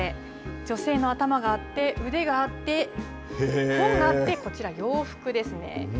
女性の頭があって、腕があって本があって、こちら洋服ですね。